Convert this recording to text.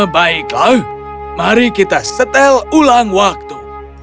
baiklah mari kita setel ulang waktu